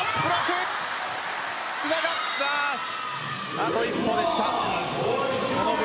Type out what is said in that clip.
あと一歩でした。